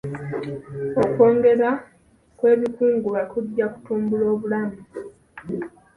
Okweyongera kw'ebikungulwa kijja kutumbula obulamu.